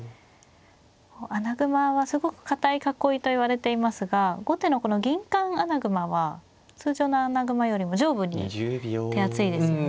穴熊はすごく堅い囲いといわれていますが後手のこの銀冠穴熊は通常の穴熊よりも上部に手厚いですよね。